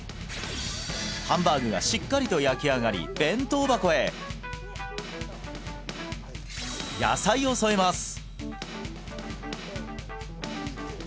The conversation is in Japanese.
ハンバーグがしっかりと焼き上がり弁当箱へ野菜を添えます